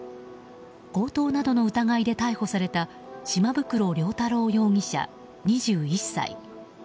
強盗などの疑いで逮捕された島袋遼太郎容疑者、２１歳。